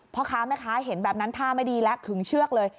พ่อค้าแม่ค้าเห็นแบบนั้นท่าไม่ดีแล้วขึงเชือกเลย